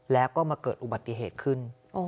แล้วก็มาเกิดอุบัติเหตุขึ้น